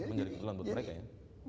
menjadi kebetulan buat mereka ya